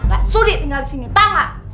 gak sudi tinggal disini tau gak